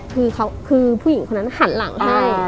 คือผู้หญิงคนนั้นหันหลังให้